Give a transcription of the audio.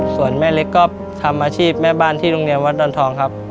ส่วนแม่เล็กก็ทำอาชีพแม่บ้านที่โรงเรียนวัดดอนทองครับ